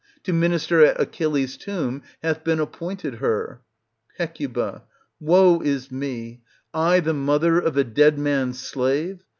To minister at Achilles' tomb hath been appointed her. Hec. Woe is me ! I the mother of a dead man's slave